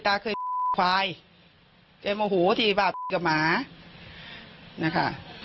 ตาเคยควายแกโมหหูทีแปปหมานะคะ